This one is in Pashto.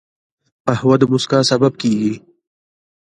قهوه د مسکا سبب کېږي